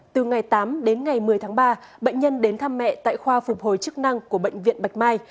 từ ngày tám đến ngày một mươi tháng ba bệnh nhân đến thăm mẹ tại khoa phục hồi chức năng của bệnh viện bạch mai